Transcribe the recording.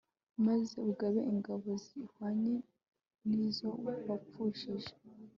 maze ugabe ingabo zihwanye n'izo wapfushije